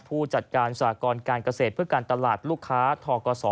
ผู้จัดการสากรการเกษตรเพื่อการตลาดลูกค้าทกศ